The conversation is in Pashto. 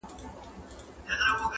• دغه تیارې غواړي د سپینو څراغونو کیسې.